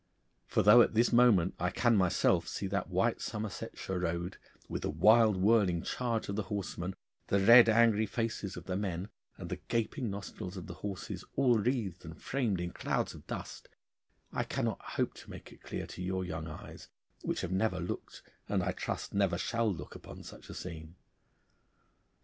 For though at this very moment I can myself see that white Somersetshire road, with the wild whirling charge of the horsemen, the red angry faces of the men, and the gaping nostrils of the horses all wreathed and framed in clouds of dust, I cannot hope to make it clear to your young eyes, which never have looked, and, I trust, never shall look, upon such a scene.